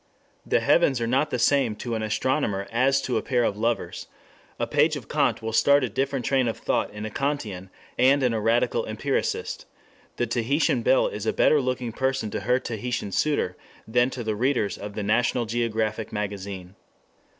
The heavens are not the same to an astronomer as to a pair of lovers; a page of Kant will start a different train of thought in a Kantian and in a radical empiricist; the Tahitian belle is a better looking person to her Tahitian suitor than to the readers of the National Geographic Magazine.